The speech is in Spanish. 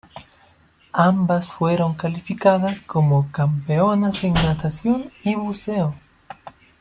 Ambas fueron calificadas como "campeonas en natación y buceo".